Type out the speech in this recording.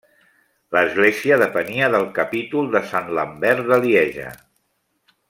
L'església depenia del capítol de Sant Lambert de Lieja.